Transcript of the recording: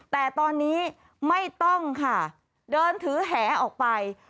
แต่ตอนนี้ไม่ต้องค่ะเดินถือแหออกไป